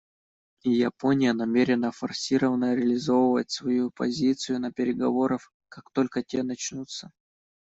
И Япония намерена форсировано реализовывать свою позицию на переговорах, как только те начнутся.